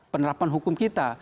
penerapan hukum kita